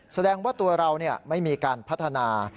แสดงว่าตัวเราไม่มีการพัฒนา